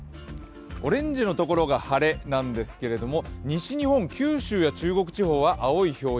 オレンジのところが晴れなんですけれども西日本、九州や中国地方は青い表示